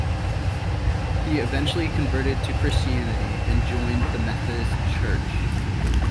He eventually converted to Christianity and joined the Methodist Church.